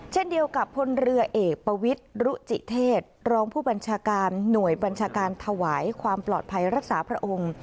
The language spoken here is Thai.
เช่นเดียวกับพลเรือเอกประวิทย์รุจิเทศรองผู้บัญชาการหน่วยบัญชาการถวายความปลอดภัยรักษาพระองค์